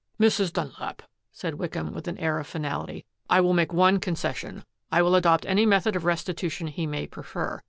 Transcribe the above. "Mrs. Dunlap," said Wickham with an air of finality, "I will make one concession. I will adopt any method of restitution he may prefer.